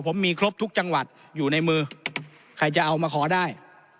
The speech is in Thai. ผมมีครบทุกจังหวัดอยู่ในมือใครจะเอามาขอได้